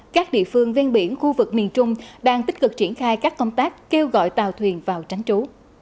các địa phương ven biển khu vực miền trung đang tích cực triển khai các công tác kêu gọi tàu thuyền vào tránh trú